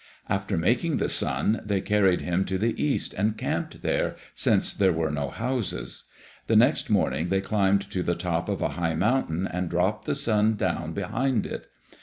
After making the sun, they carried him to the east and camped there, since there were no houses. The next morning they climbed to the top of a high mountain and dropped the sun down behind it.